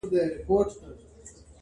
تل یې غوښي وي په خولو کي د لېوانو -